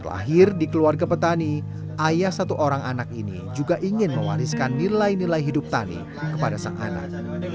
lahir di keluarga petani ayah satu orang anak ini juga ingin mewariskan nilai nilai hidup tani kepada sang anak